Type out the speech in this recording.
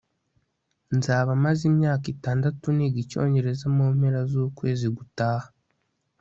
nzaba maze imyaka itandatu niga icyongereza mu mpera z'ukwezi gutaha